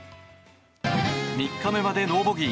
３日目までノーボギー。